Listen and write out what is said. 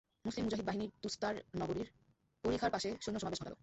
মুসলিম মুজাহিদ বাহিনী তুসতার নগরীর পরিখার পাশে সৈন্য সমাবেশ ঘটাল।